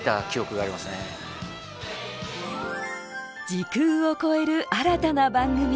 時空を超える新たな番組。